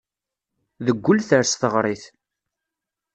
Deg wul ters teɣrit.